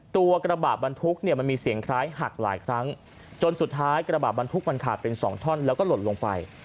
กระบะบรรทุกเนี่ยมันมีเสียงคล้ายหักหลายครั้งจนสุดท้ายกระบะบรรทุกมันขาดเป็นสองท่อนแล้วก็หล่นลงไป